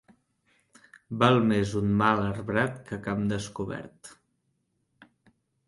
Val més un mal arbrat que camp descobert.